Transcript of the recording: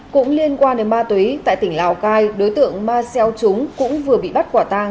cũng liên quan đến ma túy tại tỉnh lào cai đối tượng ma xeo trúng cũng vừa bị bắt quả tang